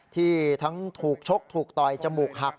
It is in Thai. ที่ทั้งถูกชกถูกต่อยจมูกหัก